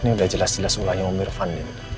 ini udah jelas jelas mulai om irfan